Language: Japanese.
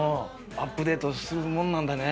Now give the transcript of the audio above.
アップデートするもんなんだね。